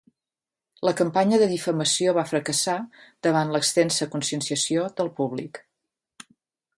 La campanya de difamació va fracassar davant l'extensa conscienciació del públic.